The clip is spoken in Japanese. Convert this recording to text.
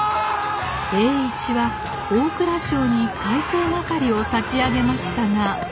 栄一は大蔵省に改正掛を立ち上げましたが。